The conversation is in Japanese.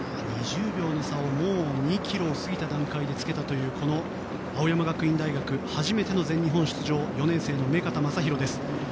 ２０秒の差を２ｋｍ過ぎた段階で着けたという青山学院大学初めての全日本出場４年生の目片将大です。